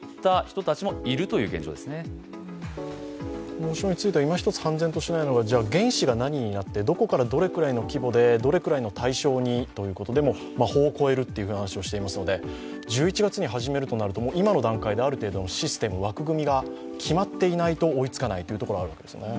もう一つ、今ひとつ判然としないのが原資が何になって、どこからどれくらいの規模でどれくらいの対象にということでも法を超えるという話をしていますので１１月に始めるとなると今の段階である程度のシステム、枠組みが決まっていないと進まないですね。